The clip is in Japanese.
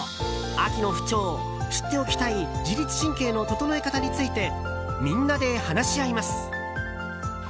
秋の不調知っておきたい自律神経の整え方についてみんなで話し合います。